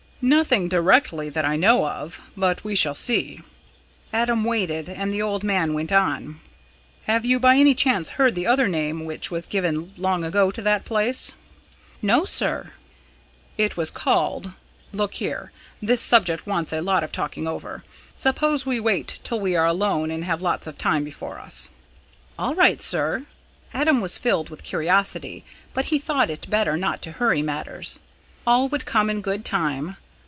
"Nothing directly that I know of. But we shall see." Adam waited, and the old man went on: "Have you by any chance heard the other name which was given long ago to that place." "No, sir." "It was called Look here, this subject wants a lot of talking over. Suppose we wait till we are alone and have lots of time before us." "All right, sir." Adam was filled with curiosity, but he thought it better not to hurry matters. All would come in good time.